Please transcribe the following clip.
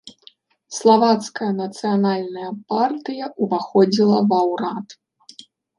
Славацкая нацыянальная партыя ўваходзіла ва ўрад.